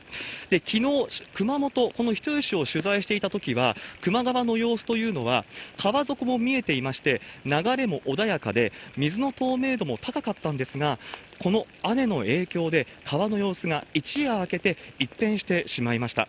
きのう、熊本、この人吉を取材していたときは、球磨川の様子というのは川底も見えていまして、流れも穏やかで、水の透明度も高かったんですが、この雨の影響で、川の様子が一夜明けて、一変してしまいました。